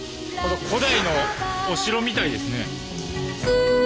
古代のお城みたいですね。